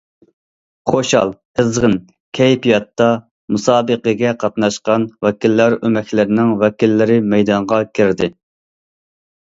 خۇشال، قىزغىن كەيپىياتتا، مۇسابىقىگە قاتناشقان ۋەكىللەر ئۆمەكلىرىنىڭ ۋەكىللىرى مەيدانغا كىردى.